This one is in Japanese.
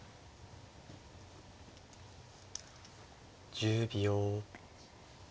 １０秒。